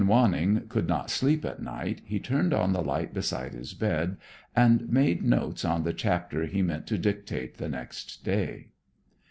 When Wanning could not sleep at night, he turned on the light beside his bed and made notes on the chapter he meant to dictate the next day.